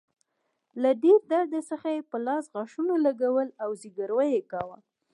له ډیر درد څخه يې په لاس غاښونه لګول او زګیروی يې کاوه.